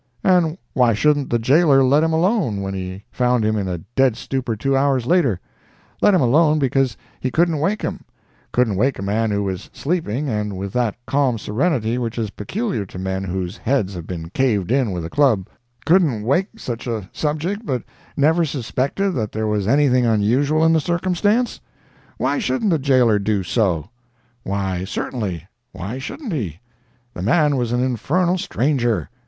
And why shouldn't the jailor let him alone when he found him in a dead stupor two hours after—let him alone because he couldn't wake him—couldn't wake a man who was sleeping and with that calm serenity which is peculiar to men whose heads have been caved in with a club—couldn't wake such a subject, but never suspected that there was anything unusual in the circumstance? Why shouldn't the jailor do so? Why certainly—why shouldn't he?—the man was an infernal stranger.